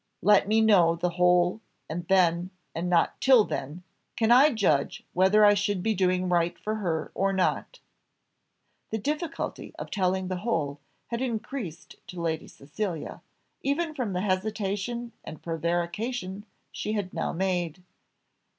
"Let me know the whole, and then, and not till then, can I judge whether I should be doing right for her or not." The difficulty of telling the whole had increased to Lady Cecilia, even from the hesitation and prevarication she had now made.